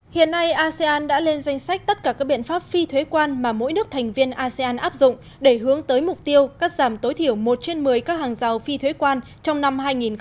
hiện nay asean đã lên danh sách tất cả các biện pháp phi thuế quan mà mỗi nước thành viên asean áp dụng để hướng tới mục tiêu cắt giảm tối thiểu một trên một mươi các hàng rào phi thuế quan trong năm hai nghìn hai mươi